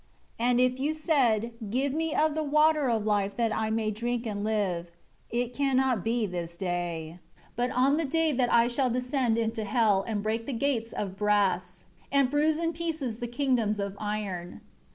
5 And if you said, 'Give me of the Water of Life that I may drink and live' it cannot be this day, but on the day that I shall descend into hell, and break the gates of brass, and bruise in pieces the kingdoms of iron.